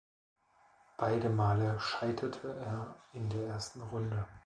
Beide Male scheiterte er in der ersten Runde.